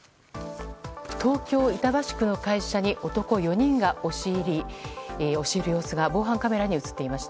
東京・板橋区の会社に男４人が押し入る様子が防犯カメラに映っていました。